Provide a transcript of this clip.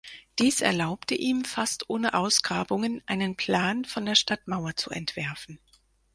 Dies erlaubte ihm, fast ohne Ausgrabungen einen Plan von der Stadtmauer zu entwerfen.